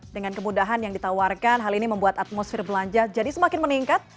dengan kemudahan yang ditawarkan hal ini membuat atmosfer belanja jadi semakin meningkat